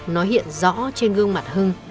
nó hiện rõ trên gương mặt hưng